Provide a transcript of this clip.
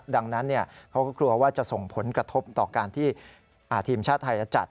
ดังนั้นเขาก็กลัวว่าจะส่งผลกระทบต่อการที่ทีมชาติไทยจะจัด